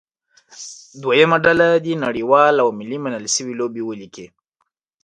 دویمه ډله دې نړیوالې او ملي منل شوې لوبې ولیکي.